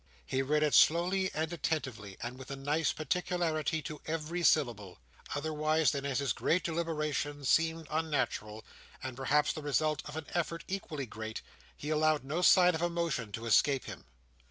He read it slowly and attentively, and with a nice particularity to every syllable. Otherwise than as his great deliberation seemed unnatural, and perhaps the result of an effort equally great, he allowed no sign of emotion to escape him.